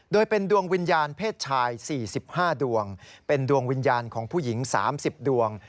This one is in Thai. โดยเป็นดวงวิญญาณเพศชาย๔๕ดวงเป็นดวงวิญญาณของผู้หญิง๓๐ดวง